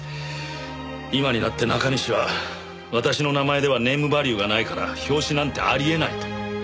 今になって中西は私の名前ではネームバリューがないから表紙なんてあり得ないと。